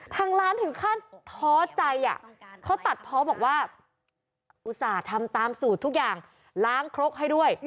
ทางร้านถึงขั้นท้อใจเขาตัดเพราะบอกว่าอุตส่าห์ทำตามสูตรทุกอย่างล้างครกให้ด้วย